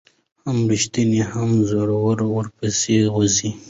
هم ريښتونى هم زړه ور ورپسي ووزه